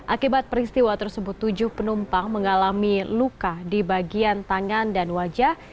akibat peristiwa tersebut tujuh penumpang mengalami luka di bagian tangan dan wajah